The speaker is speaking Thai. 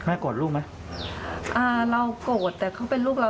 โกรธลูกไหมอ่าเราโกรธแต่เขาเป็นลูกเรา